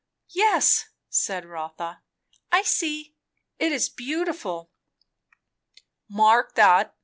"Yes," said Rotha, "I see. It is beautiful." "Mark that No.